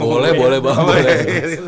boleh boleh boleh